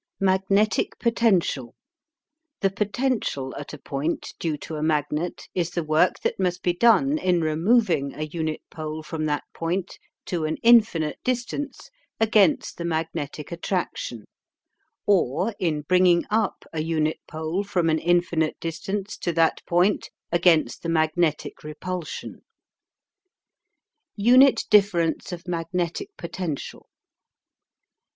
MAGNETIC POTENTIAL. The potential at a point due to a magnet is the work that must be done in removing a unit pole from that point to an infinite distance against the magnetic attraction, or in bringing up a unit pole from an infinite distance to that point against the magnetic repulsion. UNIT DIFFERENCE OF MAGNETIC POTENTIAL.